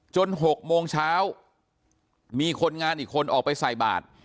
๖โมงเช้ามีคนงานอีกคนออกไปใส่บาท